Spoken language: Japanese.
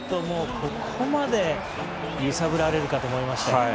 ここまで揺さぶられるかと思いました。